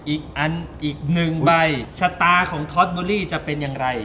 อีกอันอีกหนึ่งใบชะตาของท็อตเบอรี่จะเป็นอย่างไร